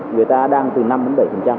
người ta đang từ năm đến bảy